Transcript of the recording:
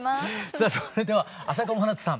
さあそれでは朝夏まなとさん